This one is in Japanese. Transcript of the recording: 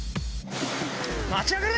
待ちやがれ！